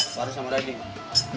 paru sama daging